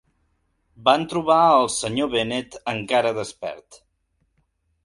Van trobar al Sr. Bennet encara despert.